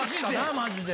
マジで。